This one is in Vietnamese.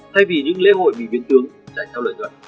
thay vì những lễ hội bị biến tướng chạy theo lời dẫn